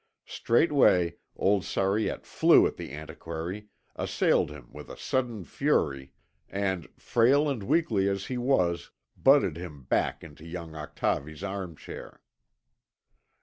Straightway old Sariette flew at the antiquary, assailed him with sudden fury, and, frail and weakly as he was, butted him back into young Octavie's arm chair.